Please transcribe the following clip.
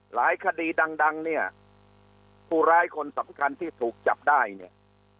คดีดังเนี่ยผู้ร้ายคนสำคัญที่ถูกจับได้เนี่ย